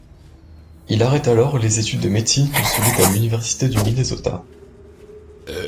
Il arrête alors les études de médecine qu'il suivait à l'université du Minnesota.